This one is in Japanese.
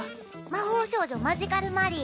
「魔法少女マジカル・マリー」。